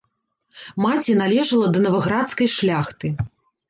Маці належала да наваградскай шляхты.